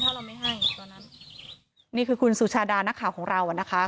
ถ้าเราไม่ให้ตอนนั้นนี่คือคุณสุชาดานักข่าวของเราอ่ะนะคะ